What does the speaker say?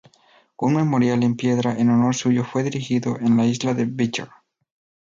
Un memorial en piedra en honor suyo fue erigido en la isla de Beechey.